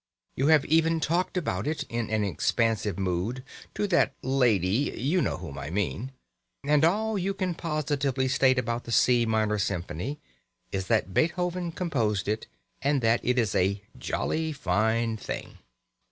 You have even talked about it, in an expansive mood, to that lady you know whom I mean. And all you can positively state about the C minor symphony is that Beethoven composed it and that it is a "jolly fine thing."